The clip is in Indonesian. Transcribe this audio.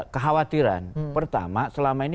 kekhawatiran pertama selama ini